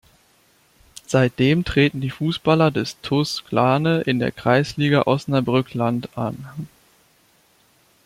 Seitdem treten die Fußballer des TuS Glane in der Kreisliga Osnabrück-Land an.